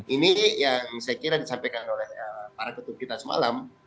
ini yang saya kira disampaikan oleh para ketum kita semalam